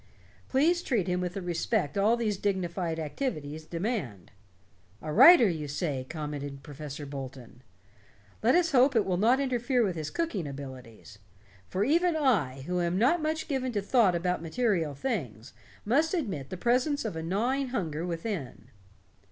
Please treat him with the respect all these dignified activities demand." "A writer, you say," commented Professor Bolton. "Let us hope it will not interfere with his cooking abilities. For even I, who am not much given to thought about material things, must admit the presence of a gnawing hunger within."